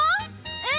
うん！